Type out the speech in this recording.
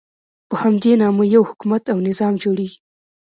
په همدې نامه یو حکومت او نظام جوړېږي.